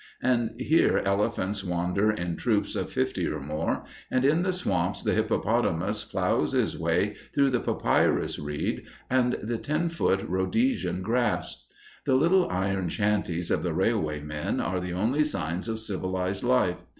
And here elephants wander in troops of fifty or more, and in the swamps the hippopotamus plows his way through the papyrus reed and the ten foot Rhodesian grass. The little iron shanties of the railway men are the only signs of civilized life.